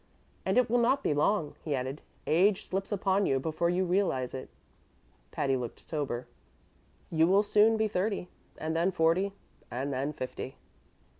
And it will not be long," he added. "Age slips upon you before you realize it." Patty looked sober. "You will soon be thirty, and then forty, and then fifty."